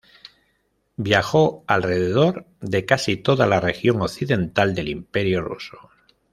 Viajó alrededor de casi toda la región occidental del Imperio ruso.